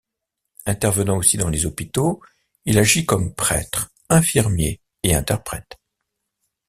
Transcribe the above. Intervenant aussi dans les hôpitaux, il agit comme prêtre, infirmier et interprète.